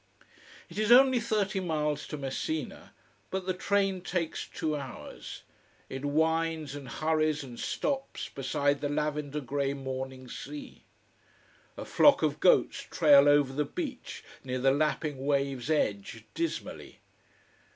It is only thirty miles to Messina, but the train takes two hours. It winds and hurries and stops beside the lavender grey morning sea. A flock of goats trail over the beach near the lapping wave's edge, dismally.